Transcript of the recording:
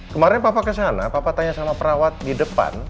kemarin papa kesana papa tanya sama perawat di depan